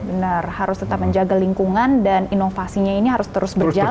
benar harus tetap menjaga lingkungan dan inovasinya ini harus terus berjalan